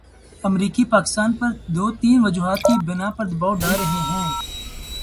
امریکی پاکستان پر دو تین وجوہات کی بنا پر دبائو ڈال رہے ہیں۔